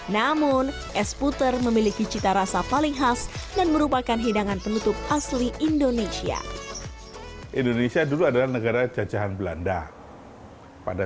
namun es puter memiliki cita rasa paling khas dan merupakan hidangan penutup asli indonesia